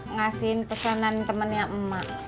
ngasihin pesanan temennya emak